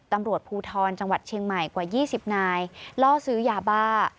ตำรวจภูทรจังหวัดเชียงใหม่กว่า๒๐นายล่อซื้อยาบ้า